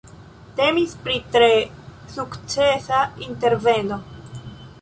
Temis pri tre sukcesa interveno.